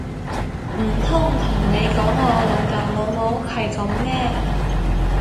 唔通同你講我老豆老母係噉咩！